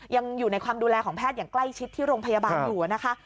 ยังอยู่ในความดูแลของแพทย์อย่างใกล้ชิดที่โรงพยาบาลอยู่นะคะ